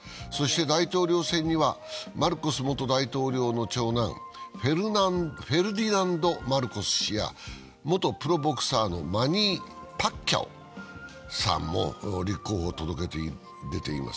大統領選にはマルコス元大統領の長男、フェルディナンド・マルコス氏や元プロボクサーのマニー・パッキャオさんも立候補を届け出ています。